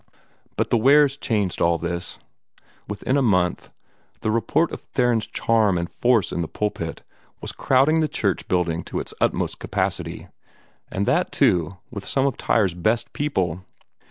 But the Wares changed all this. Within a month the report of Theron's charm and force in the pulpit was crowding the church building to its utmost capacity and that, too, with some of Tyre's best people.